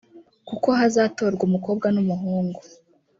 kuko hazatorwa umukobwa n’umuhungu